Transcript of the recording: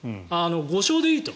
５勝でいいと。